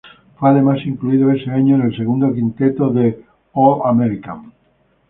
Fue además incluido ese año en el segundo quinteto del All-American.